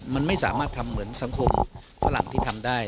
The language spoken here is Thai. มันไม่สามารถทำเหมือนสังคมฝรั่งที่ทำได้